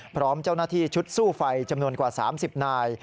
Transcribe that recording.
พร้อมเจ้าหน้าที่ชุดสู้ไฟจำนวนกว่า๓๐นาย